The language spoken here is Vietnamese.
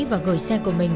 và gửi xe của mình